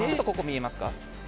ここ、見えますか？